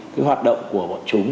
cái hoạt động của bọn chúng